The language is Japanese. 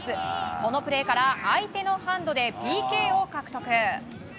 このプレーから相手のハンドでＰＫを獲得。